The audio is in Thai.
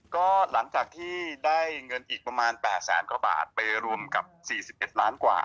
ก็หลังจากที่ได้เงินอีกประมาณ๘แสนกว่าบาทไปรวมกับ๔๑ล้านกว่า